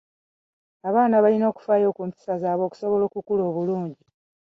Abaana balina okufaayo ku mpisa zaabwe okusobola okukula obulungi.